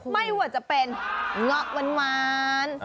ไม่ว่าจะเป็นเงาะหวาน